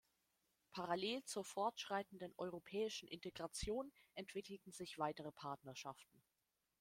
Parallel zur fortschreitenden europäischen Integration entwickelten sich weitere Partnerschaften.